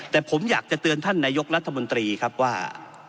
แต่ผมอยากจะเตือนท่านนายกรัฐมนตรีครับว่า